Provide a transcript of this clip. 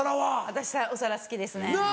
私お皿好きですね。